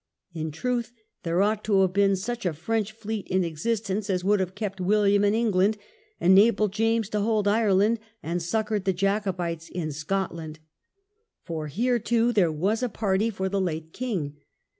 In truth there ought to have been such a French fleet in existence as would have kept William in England, enabled James to hold Ireland, and succoured the Jacobites in Scotland. For here, too, there was a party for the late king.